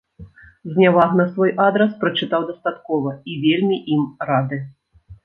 Зняваг на свой адрас прачытаў дастаткова і вельмі ім рады.